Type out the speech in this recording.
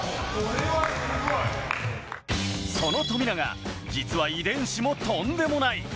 その富永、実は遺伝子もとんでもない。